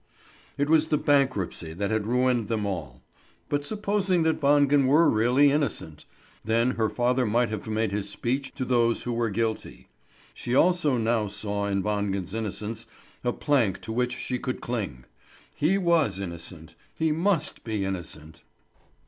It was the bankruptcy that had ruined them all. But supposing that Wangen were really innocent? Then her father might have made his speech to those who were guilty. She also now saw in Wangen's innocence a plank to which she could cling. He was innocent; he must be innocent.